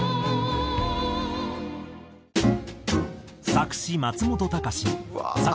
作詞松本隆作